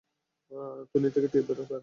তুণীর থেকে তীর বের করলেন।